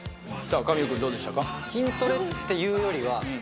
神尾君どうでしたか？